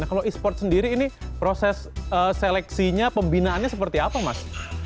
kalau e sport sendiri ini proses seleksinya pembinaannya seperti apa mas